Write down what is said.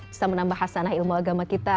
bisa menambah hasanah ilmu agama kita